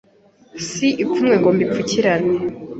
Si ipfunwe ngo mbipfukirane